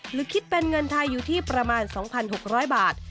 หรือคิดเป็นเงินไทยอยู่ที่ประมาณ๒๖๐๐บาท